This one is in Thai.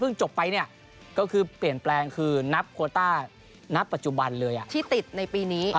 เพราะคนนี้เนี่ยก็เปลี่ยนแปลงคือนับโควเต้าร์โนนับปัจจุบันเลยที่ติดในปีนี้